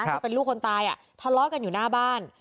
ที่เป็นลูกคนตายทะเลาะกันอยู่หน้าบ้าน